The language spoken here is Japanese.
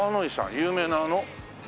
有名なあの？